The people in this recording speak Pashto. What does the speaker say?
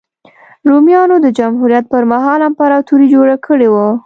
رومیانو د جمهوریت پرمهال امپراتوري جوړه کړې وه.